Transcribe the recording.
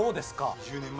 ２０年前？